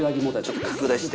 ちょっと拡大して。